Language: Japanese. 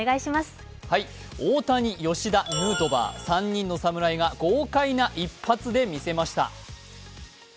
大谷、吉田、ヌートバー３人の侍が豪快な一発で見せました